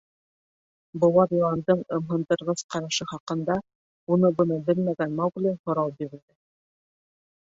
— Быуар йыландың ымһындырғыс ҡарашы хаҡында уны-быны белмәгән Маугли һорау бирҙе.